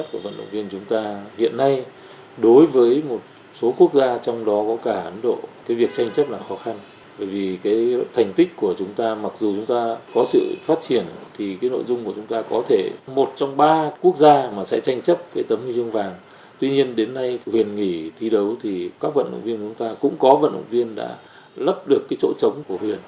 có vận động viên đã lấp được chỗ trống của huyền